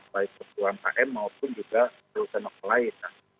baik perusahaan km maupun juga perusahaan klien